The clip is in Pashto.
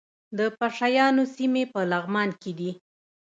د پشه یانو سیمې په لغمان کې دي